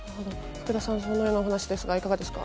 福田さん、このようなお話ですが、いかがですか。